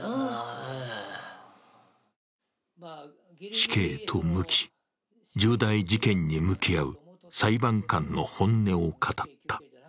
死刑と無期、重大事件に向き合う裁判官の本音を語った。